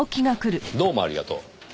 どうもありがとう。